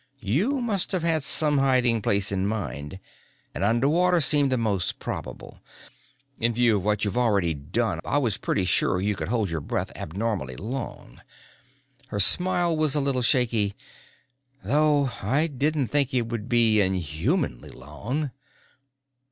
You must have had some hiding place in mind and under water seemed the most probable. In view of what you'd already done I was pretty sure you could hold your breath abnormally long." Her smile was a little shaky. "Though I didn't think it would be inhumanly long."